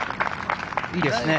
いいですね。